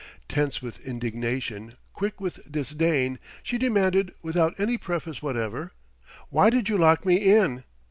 Tense with indignation, quick with disdain, she demanded, without any preface whatever: "Why did you lock me in?"